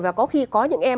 và có khi có những em